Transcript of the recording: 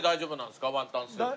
ワンタンスープ。